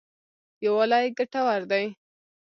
یوالی ګټور دی.